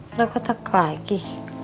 ada kotak lagi